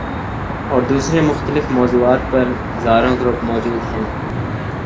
اور دوسرے مختلف موضوعات پر ہزاروں گروپ موجود ہیں۔